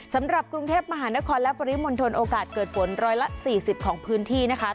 สำหรับกรุงเทพมหานครและพริมย์มนตรนโอกาสเกิดฝนร้อยละสี่สิบของพื้นที่นะคะ